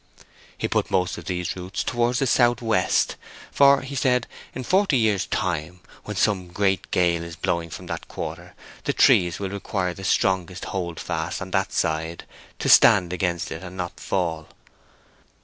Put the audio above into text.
He put most of these roots towards the south west; for, he said, in forty years' time, when some great gale is blowing from that quarter, the trees will require the strongest holdfast on that side to stand against it and not fall.